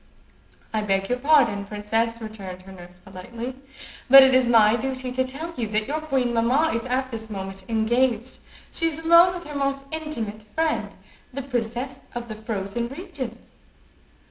"I beg your pardon, princess," returned her nurse, politely; "but it is my duty to tell you that your queen mamma is at this moment engaged. She is alone with her most intimate friend, the Princess of the Frozen Regions."